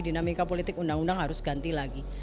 dinamika politik undang undang harus ganti lagi